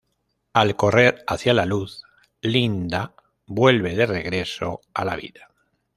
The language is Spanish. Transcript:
Al correr hacía la luz, Linda vuelve de regreso a la vida.